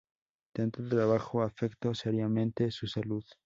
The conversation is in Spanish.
Tanto trabajo afectó seriamente su salud.